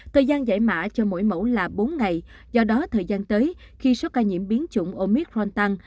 thời gian giải mã cho mỗi mẫu là bốn ngày do đó thời gian tới khi số ca nhiễm biến chủng omithron tăng